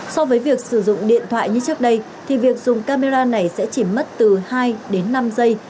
so với việc sử dụng điện thoại như trước đây thì việc dùng camera này sẽ chỉ mất từ hai đến năm giây